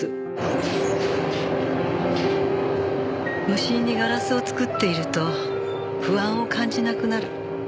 無心にガラスを作っていると不安を感じなくなる。